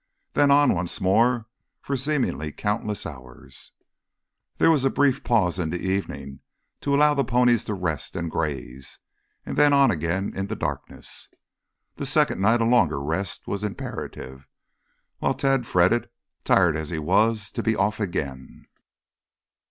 Then on once more for seemingly countless hours. There was a brief pause in the evening, to allow the ponies to rest and graze, then on again in the darkness. The second night a longer rest was imperative, while Tad fretted, tired as he was, to be off again.